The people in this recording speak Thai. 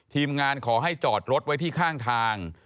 งานขอให้จอดรถไว้ที่ข้างทาง